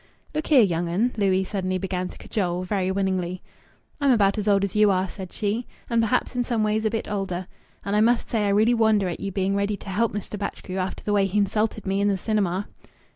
"Look here, young 'un," Louis suddenly began to cajole, very winningly. "I'm about as old as you are," said she, "and perhaps in some ways a bit older. And I must say I really wonder at you being ready to help Mr. Batchgrew after the way he insulted me in the cinema."